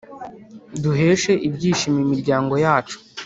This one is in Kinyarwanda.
Duheshe ibyishimo imiryango yacu